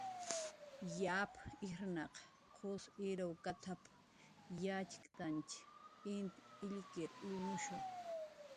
"Yap ijrnaq qus urawkatap"" yatxktantx, int illkir illnushu "